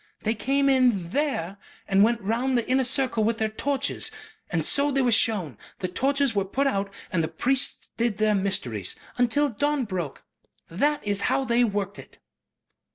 They came in THERE and went round the inner circle with their torches. And so they were shown. The torches were put out and the priests did their mysteries. Until dawn broke. That is how they worked it."